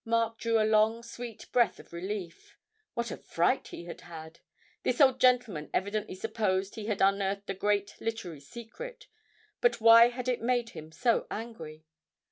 Mark drew a long sweet breath of relief. What a fright he had had! This old gentleman evidently supposed he had unearthed a great literary secret; but why had it made him so angry?